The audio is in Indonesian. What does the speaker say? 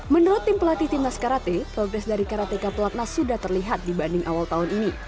menurut tim pelatih timnas karate progres dari karateka pelatnas sudah terlihat dibanding awal tahun ini